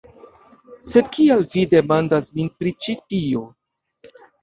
Sed kial vi demandas min pri ĉi tio?